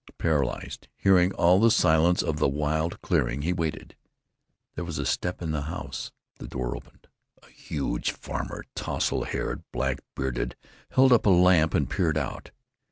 Paralyzed, hearing all the silence of the wild clearing, he waited. There was a step in the house. The door opened. A huge farmer, tousle haired, black bearded, held up a lamp and peered out.